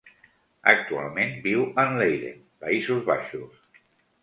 Actualment viu en Leiden, Països Baixos.